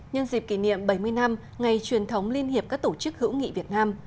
nhân dịp kỷ niệm bảy mươi năm ngày truyền thống liên hiệp các tổ chức hữu nghị việt nam